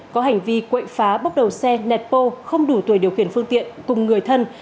có hành vi quậy phá bốc đầu xe nẹt bô không đủ tuổi điều khiển phương tiện cùng người thân